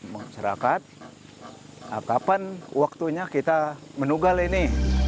masyarakat kapan waktunya kita menugal ini